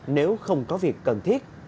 nếu không có việc cần thiết